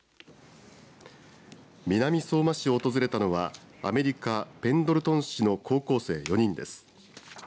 南相馬市を訪れたのはアメリカ、ペンドルトン市の高校生４人です。